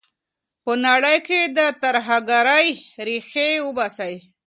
په نړۍ کي د ترهګرۍ ریښې وباسئ.